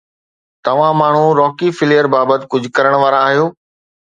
توهان ماڻهو Rocky Flair بابت ڪجهه ڪرڻ وارا آهيو